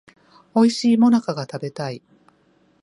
おいしい最中が食べたい